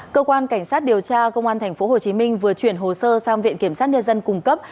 cơ quan cảnh sát điều tra công an tp hcm vừa chuyển hồ sơ sang viện kiểm sát nhân dân cung cấp